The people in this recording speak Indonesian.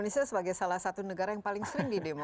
indonesia sebagai salah satu negara yang paling sering didemo